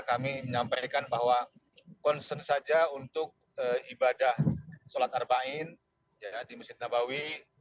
kami menyampaikan bahwa konsen saja untuk ibadah sholat arba'in di mesir nabawi